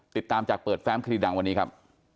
ติดตามจากเปิดแฟ้มคดีดังวันนี้ครับ